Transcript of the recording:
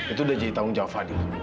itu udah jadi tanggung jawab fadil